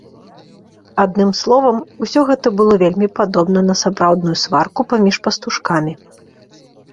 Адным словам, усё гэта было вельмі падобна на сапраўдную сварку паміж пастушкамі.